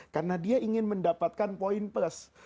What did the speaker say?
karena dia ingin mendapatkan poin plus